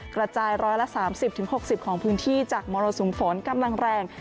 กระจาย๑๓๐๖๐ของพื้นที่จากมรสุมฝนกำลังแรง